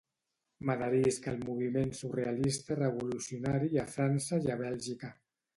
M'adherisc al moviment surrealista-revolucionari a França i a Bèlgica.